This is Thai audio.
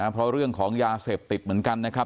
เพราะเรื่องของยาเสพติดเหมือนกันนะครับ